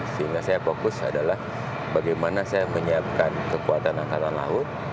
sehingga saya fokus adalah bagaimana saya menyiapkan kekuatan angkatan laut